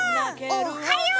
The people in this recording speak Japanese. おっはよう！